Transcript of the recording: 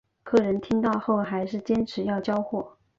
客人听到后还是坚持要交货